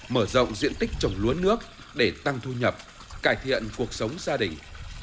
mở rộng diện tích trồng lúa nước để tăng thu nhập cải thiện cuộc sống gia đình